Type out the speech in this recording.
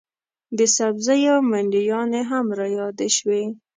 د سبزیو منډیانې هم رایادې شوې.